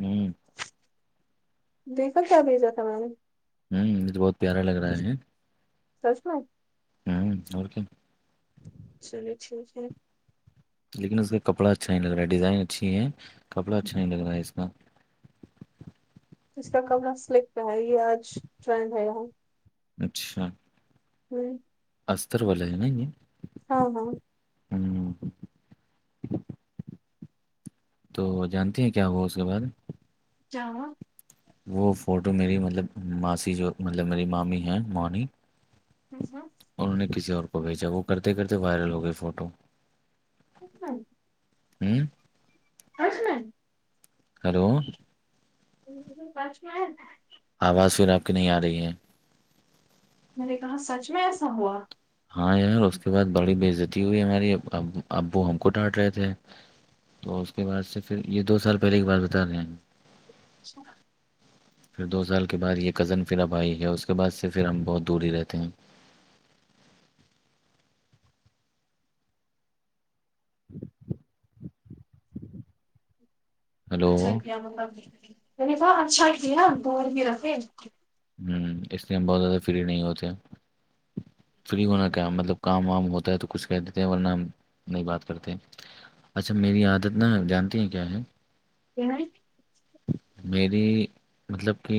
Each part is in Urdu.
ہی [unintelligible] دیکھل کیا بج جات تھا مم [unintelligible] ہوں یہجے بہت پیارا لگ رہا ہے سسما ہوں اور کیا چلیو چ [unintelligible] لیکن اس کا کپڑا اچھا نہیں لگ رہا ہے ڈیزائن اچھی ہے کپڑا اچھا نہیں لگ رہا ہے اس کا ج کا کمرا سلک کا ہے یہ آج ٹرینڈ ہے یہاں اچھا ہوں اسستر والے ہے نا یہ ہاں ہاں ہوں تو جانتے ہیں کیا ہوا اس کے بعد جاو وہ فوٹو میری مطلب ماسی جو مطلب میری مامی ہیں مونی ہوں ہوں انہوں نے کسی اور کو بھیجا وہ کرتے کرتے وائرل ہو گئے فوٹو کن ہوں کھ نائ ہلو پچو آواز پھر آپ کی نہیں آ رہی ہے میں نے کہا سچ میں ایسا ہوا ہاں یار اس کے بعد بڑی بےزتی ہوئی ہماری ابو ہم کو ڈانٹ رہے تھے تو اس کے بعد سے پھر یہ دو سال پہلے کی بات بتا رہے ہیں ہم سھ [unintelligible] پھر دو سال کے بعد یہ کزن پھر اب آئی ہے اس کے بعد سے پھر ہم بہت دور ہی رہتے ہیں [inaudible] ہلو اچھا ہوں کیا مطلب اچھا ن دوار بھی رکھے اس لیے ہم بہت زیادہ فری نہیں ہوتے فری ہونا کیا مطلب کام وام ہوتا ہے تو کچھ کہ دیتے ہیں ورنہ نہیں بات کرتے اچھا میری عادت نہ ہے جانتی ہیں کیا ہے جم میری مطلب کہ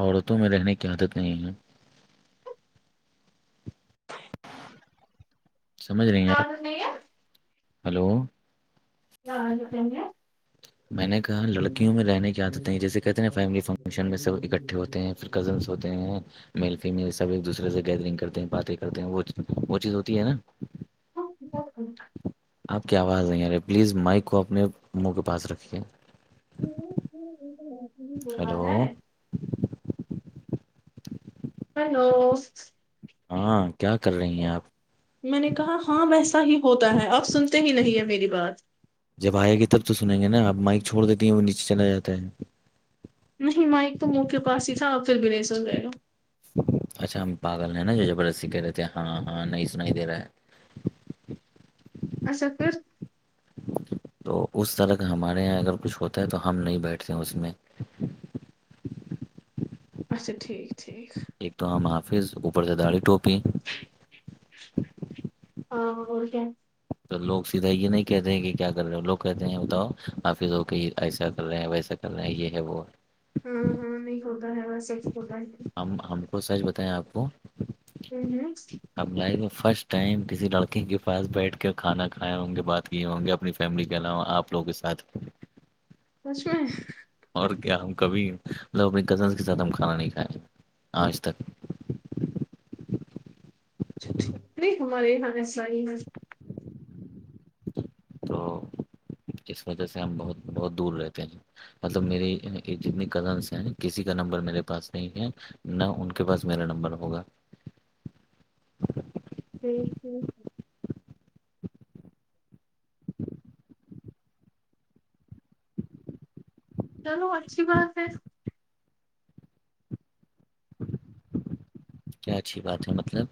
عورتوں میں رہنے کی عادت نہیں ہے سمجھ رہی ہیں عادت نہیں ہے آپ ہلو ہاں جکیں گے میں نے کہا لڑکیوں میں رہنے کی عادتیں ہیں جیسے کہتے ہیں ن فیملی فنکشن میں سب اکٹھے ہوتے ہیں پھر کزن ہوتے ہیں میل فیمل سب ایک دوسرے سے گیدرنگ کرتے ہیں باتیں کرتے ہیں وہ وہ چیز ہوتی ہے نا ہاں آپ کی آواز ہے یارے پلیز مائک کو اپنے منہ کے پاس رکھیے ہلو ہیلو ہاں کیا کر رہی ہیں آپ میں نے کہا ہاں ویسا ہی ہوتا ہے آپ سنتے ہی نہیں ہیں میری بات جب آئے گی تب تو سنیں گے نا آب مائک چھوڑ دیتی ہیں وہ نیچے چلا جاتا ہے نہیں مائک تو منہ کے پاس ہی تھا آپ پھر بھی نہیں سو گئے لو اچھا ہم پاگل ہیں نا جو زبردستی کہہ رہے تھے ہاں ہاں نہیں سن ہی دے رہا ہے اچھا پھر تو اس طرح کا ہمارے یہاں اگر کچھ ہوتا ہے تو ہم نہیں بیٹھتے اس میں اچھا ٹھیک ٹھیک ایک تو ہمام حافظ اوپر سے داڑھی ٹوپی ہاں اور کیا تو لوگ سیدھا یہ نہیں کہتے ہیں کہ کیا کر رہے لوگ کہتے ہیں بتاؤ حافظ ہو کہ ایسا کر رہے ہیں ویسا چنا یہ ہے وہ ہاں ہاں نہیں کھا ہے وسرچ کا ہے ہم ہم کو سچ بتائیں آپ کو ہوں ہوں [inaudible] اب لائف فرسٹ ٹائم کسی لڑکی کے پاس بیٹھ کے کھانا کھایا ان کے بات یہ ہوں گے اپنی فیملی کے علاوہ آ لوگ کے ساتھ مش میں [unintelligible] اور کیا ہم کبھی مطلب اپنے کزن کے ساتھ ہم کھانا نہیں کھائے آج تک ہم ہمارے یہاں ایسا ہی ہے تو اس وجہ سے ہم بہت بہت دور رہتے ہیں مطلب میری جتنے کزنس ہیں کسی کا نمبر میرے پاس نہیں ہے نہ ان کے پاس میرا نمبر ہوگا ہوں ہوں [inaudible] چلو اچھی بات ہے کیا اچھی بات ہے مطلب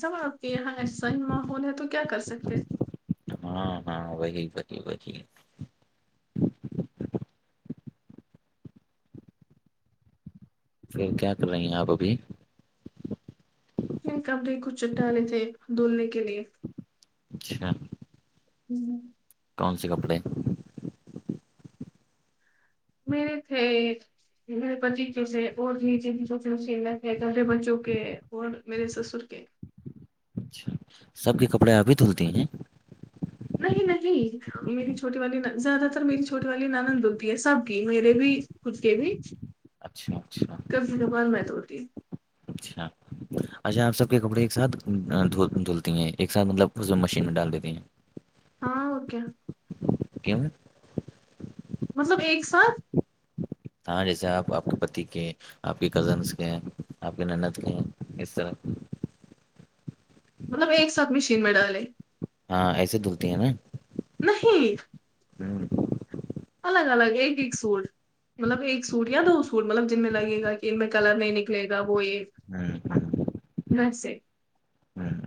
سب آپ کے یہاں ایسا ہی ماحول ہے تو کیا کر سکتے ہاں ہاں وہی بی بی [unintelligible] پھر کیا کر رہی ہیں آپ ابھی کنے کچ چ ڈے تھے دھولنے کے لیے [unintelligible] اچھا ہوں [inaudible] کون سے کپڑے میرے تھے میرے پتی کی سےے اور ج چ سوچ کہ کرے بچوں کے اور میرے سسر کے [unintelligible] اچا سب کے کپڑے ابھی دھلتے ہیں [unintelligible] نہیں نہیں میری چھوٹی والی زیادہ تر میری چھوٹی والی نانند دی ہے سب میرے بھی کتے بھی [unintelligible] اچھا اچھا کبھی کبار میں توڑتی اچھا اچھا آپ سب کے کپڑے ایک ساتھ دھ دھلتی ہیں ایک ساتھ مطلب اس مشین میں ڈال دیتی ہیں [inaudible] ہاں اوکے [unintelligible] کیم [unintelligible] مطلب ایک ساتھ ہاں جیسے آپ آپ کے پتی کے آپ کے کزنس کے ہیں آپ کی نند کے ہیں اس طرح مطلب ایک ساتھ مشین میں ڈال ہاں ایسے دھلتی ہیں نا نہیں ہوں [inaudible] الگ الگ ایک ایک سوور [unintelligible] مطلب ایک سوٹ یا تو سوٹ مطلب جن میں لگے گا کہ ان میں کلر نہیں نکلے گا وہ یہ ہوں ہ [inaudible] مس [unintelligible] [unintelligible] ہوں [inaudible]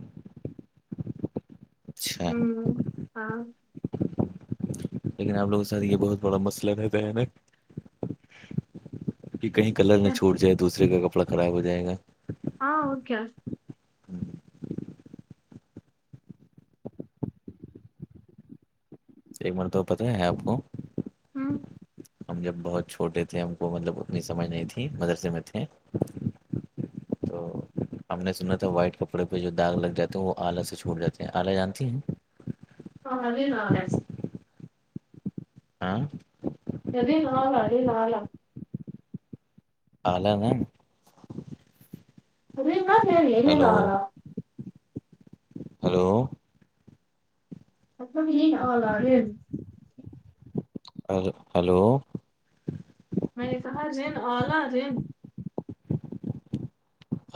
اچھا ہوں ہاں لیکن آپ لوگوں کے ساتھ یہ بہت بڑا مسئلہ رہتا ہے نا کہ کہیں کلر نہ کیا چھوٹ جائے دوسرے کا کپڑا خراب ہو جائے گا ہاں اوکے [unintelligible] ہوں ایک مرتب پتاہ ہے آپ کو ہوں [unintelligible] ہم جب بہت چھوٹے تھے ہم کو مطلب اتنی سمجھ نہیں تھی مدرسے میں تھے تو ہم نے سنا تھا وائٹ کپڑے پہ جو داغ لگ جاتا ہے وہ آلہ سے چھوٹ جاتے ہیں آلی جانتی ہیں [unintelligible] ہاں آاں [unintelligible] ای نہ لا ابھی نہ لا [inaudible] آلہ نا [inaudible] ا م منے ل ہیلو آگا [inaudible] ہیلو مطلب یہ آ [inaudible] ہ ہلو میں نے کہا رن اعلہ رن [inaudible]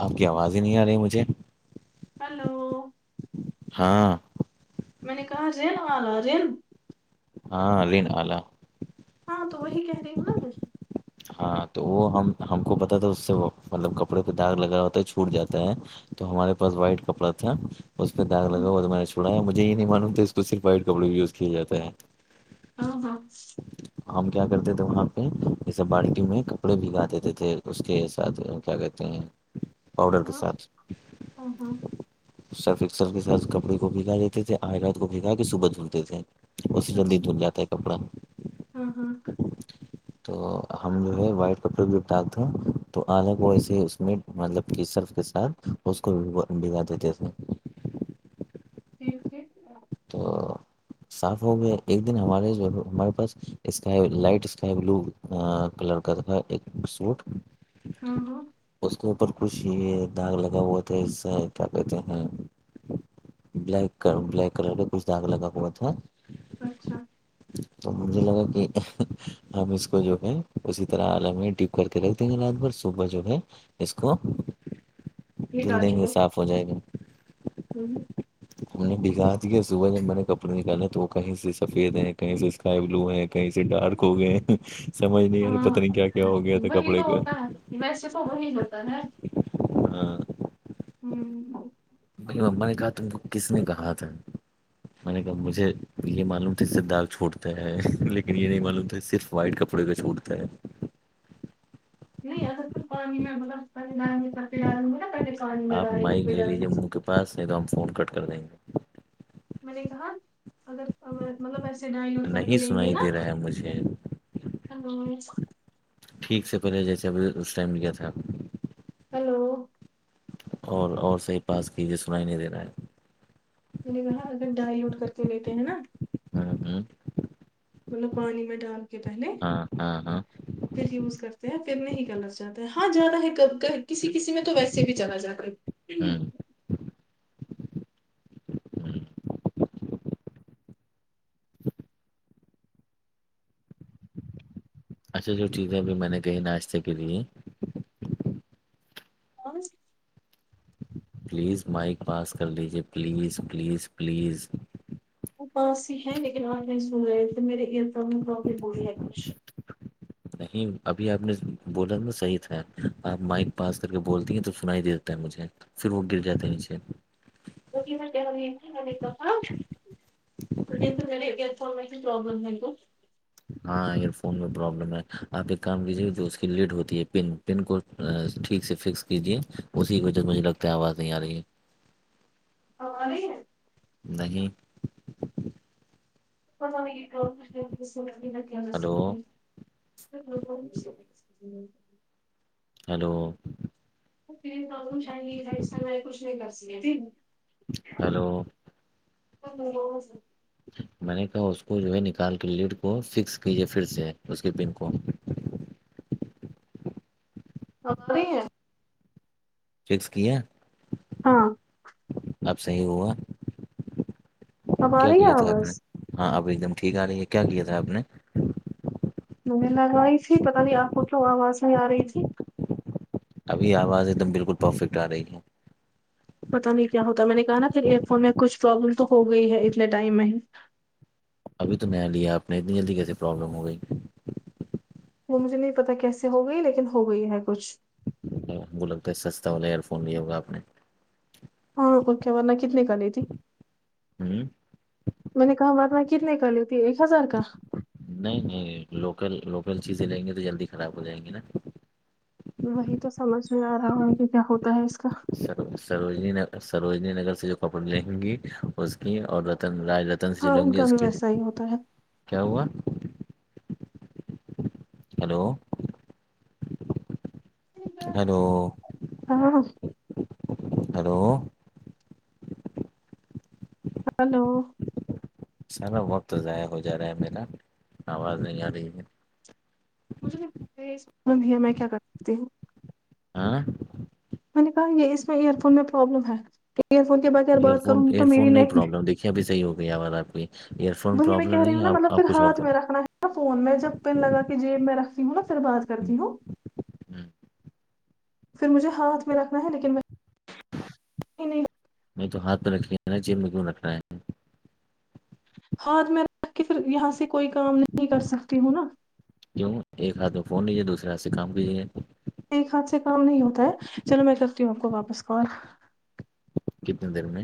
آپ کی آواز ہی نہیں آ رہی مجھے ہلو ہاں میں نے کہا رین آ رہا ہے رین ہاں ا دین اللہ ہاں تو وہی کہہ رہی ہوں نا ہاں تو وہ ہم ہم کو پتا تھا اس سے مطلب کپڑے پہ داغ لگا ہوتا ہے چھوٹ جاتا ہے تو ہمارے پاس وائٹ کپڑا تھا اس پہ داگا ہوں، تو میں نے چوڑا ہے مجھے یہ نہیں معلوم تھا اس کو صرف وائٹ کپڑے بھی یز کیاے جے ہیں ہاں ہاں ہم کیا کرتے تھے وہاں پہ یہ سب بالٹی میں کپڑے بھیگا دیتے تھے اس کے ساتھ کیا کہتے آؤڈر کے ہاں ساتھ ہاں ہاں سرفکسر کے ساتھ کپڑے کو بھگا دیتے تھے آئرات کو بھگا کے صبح دھلتے تھے اس سے جلدی دھن جاتا ہے کپڑا ہ [unintelligible] تو ہم جو ہے وائٹ کپڑے بپٹاتتے تو آنا کو ایسے اس میں مطلب کہ صرف کے ساتھ اس کو بگا دیتے تھے ٹھیک ٹھیک تو صاف ہو گیا ایک دن ہمارے ہمارے پاس sky light sky blue colour کا تھا تھا ایک سوٹ ہوں ہوں اس کے اوپر کچھ یہ داغ لگا ہوا تھا اس سے کیا کہتے ہیں بلیک بلیک کلر کا کچھ داگ لگا ہوا تھا اچھا تو مجھے لگا کہ ہم اس کو جو ہے اسی طرح آ میں ڈ کر کے رکھ دیں گے رات بھر صبح جو ہے اس کو ٹھیک دھل دیں گے صاف ہو جائے گا ہوں ہم نے بگا دیا صبح جب میں نے کپڑے نکالے تو وہ کہیں سے سفید ہے کہیں سے اسکائی بلو ہے کہیں سے ڈارک ہو گئے سمجھ نہیں آارے پتا ہاں نہیں کیا کیا ہو گیا تھا وہی تو کپڑے کا ہوتا ہے ویسے تو وہی ہوتا نا ہاں ہوں می اا نے کہا تم کو کس نے کہا تھا میں نے کہا مجھے یہ معلوم تھا داغ چھوٹتا ہے لیکن یہ نہیں معلوم تھا صرف وائٹ کپڑے کا چھوڑتا ہے نہیں اگر تو پانی میں ب ن پے آپ مائک لے لیجیے منہ کے پاس ہے تو ہم فون کٹ کر دیں گے میں نے کہا اگر مطلب ایسے ڈائ لوٹ کر کے نہیں لیں گے سنائی نا دے رہا ہے مجھے ہلو ٹھیک سے پہلے جیسے ہم نے اس ٹائم لیا تھا ہیلو اور اور صحیح پاس کیجیے سنای نہیں د رہا ہے میں نے کہا اگر ڈائ لیوٹ کر کے لیتے ہیں نا ہوں ہوں مطلب پانی میں ڈال کے پہلے ہاں ہاں ہاں پھر یوز کرتے ہیں پھر نہیں کلر جاتا ہے ہاں جاتا ہے کبھی کبھی کسی کسی میں تو ویسے بھی چلا جاتا ہے ہوں [inaudible] ہوں [unintelligible] [inaudible] پلیز مائک پاس کر لیجے پلیز پلیز پلیز وہ پانس ہی ہیں لیکن آپ نہیں سن رہے ہو تو میرے ایئر فون میں پرابلم ہوی ہے کچھ نہیں ابھی آپ نے بولا میں صحیح تھا آپ مائک پاس کر کے بولتی ہیں تو سن ہی دیتا ہے مجھے پھر وہ گر جاتے نیچے [unintelligible] [unintelligible] ہاں ایئر فون میں پرابلم ہے آپ ایک کام کیجیے جو اس کی لیڈ ہوتی ہے پن پن کوڈ ٹھیک سے فکس کیجیے اسی وجہ سے مجھے لگتا ہے آواز نہیں آ رہی ہے اب ارہی ہے نہیں ہلو [unintelligible] [inaudible] ہلو [unintelligible] ہلو [unintelligible] میں نے کہا اس کو جو ہے نکال کے لیڈ کو فکس کیجیے پھر سے اس کے پن کو اب رہی ہے فکس کی ہے ہاں اب صحیح ہوا اب آ کیا رہی ہے کیا تھا آپ نے آواز ہاں اب ایک دم ٹھیک آ رہی ہے کیا کیا تھا آپ نے مینے لگوایی تھی پتہ نہیں آپ کو کیوں آواز میں آ رہی تھی ابھی آواز ایک دم بالکل پرفیکٹ آ رہی ہے پتا نہیں کیا ہوتا میں نے کہا نا پھر ایئر فون میں کچھ پروابلم تو ہو گئی ہے اتنے ٹائم میں ہی ابھی تو نیا لیا آپ نے اتنی جلدی کیسے پروابلم ہو گئی وہ مجھے نہیں پتا کیسے ہو گئی لیکن ہو گئی ہے کچھ وہ لگتا ہے سستا والا ایئر فون لیا ہوا آپ نے ہاں اور کیا ورنہ کتنے کا لیتی ہوں میں نے کہا ورنہ کتنے کا لیتی ایک ہزار کا نہیں نہیں لوکل لوکل چیزیں لیں گے تو جلدی خراب ہو جائیں گی نا وہی تو سمجھ نہیں آ رہا آخر کیا ہوتا ہے اس کا سر سروجنی سروجنی نگر سے جو کپڑے لہیں گی اس کی اور رتن رتن سے جو ہاں ان لیں گی کا اس بھی کی ویسا ہی ہوتا ہے کیا ہوا ہیلو ہلو ہاں ہلو ہلو سرا وقت ضائع ہو جا رہا ہے میرا آواز نہیں آ رہی ہے [unintelligible] ہاں میں نے کہا یہ اس میں ایئر فون میں پرابلم ہے کہ ایئر فون کے بغیر بات کروں تو میری لائف میں یہب بھیحی ہو گئییا آ بار آپ کی ایئر فون وہیں میں پرابلم کہہ رہی نہیں ہوں نا آپ مطلب پھر آپ کچھ اور ہاتھ کر میں رکھنا ہے فون میں جب پن لگا کے جیب میں رکھتی ہوں نا پھر بات کرتی ہوں پھر مجھے ہاتھ میں رکھنا ہے لیکن میں نہیں میں تو ہاتھہ رکھ ل ہے نا چین میں کیوں رکھ رہا ہے ہاتھ میں رکھ کے پھر یہاں سے کوئی کام نہیں کر سکتی ہوں نا کیوں ایک ہاتھ میں فون لیجیے دوسرے ہاتھ سے کام کیجیے ایک ہاتھ سے کام نہیں ہوتا ہے چلو میں کرتی ہوں آپ کو واپس کال کتنے دیر میں